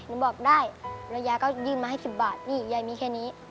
หนูบอกได้แล้วยายก็ยืมมาให้๑๐บาทนี่ยายมีแค่นี้